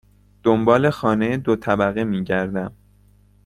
دنبال خانه دو طبقه می گردم.